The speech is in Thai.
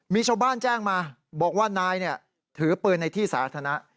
มีชาวบ้านแจ้งมาบอกว่านายถือปืนในที่สาธารณะ